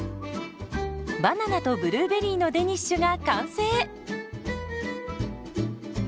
バナナとブルーベリーのデニッシュが完成。